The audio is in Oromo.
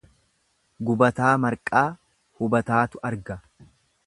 Gubataa marqaa hubataatu arga.